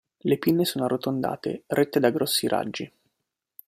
Le pinne sono arrotondate, rette da grossi raggi.